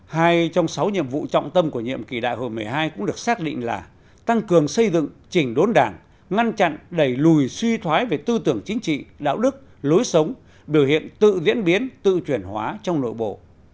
hai trong sáu nhiệm vụ trọng tâm của nhiệm kỳ đại hội một mươi hai cũng được xác định là tăng cường xây dựng chỉnh đốn đảng ngăn chặn đẩy lùi suy thoái về tư tưởng chính trị đạo đức lối sống biểu hiện tự diễn biến tự chuyển hóa trong nội bộ